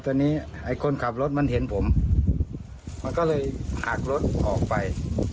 ตอนนี้ไอ้คนขับรถมันเห็นผมมันก็เลยหักรถออกไป